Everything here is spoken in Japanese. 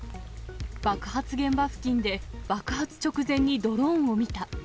爆発現場付近で爆発直前にドローンを見た。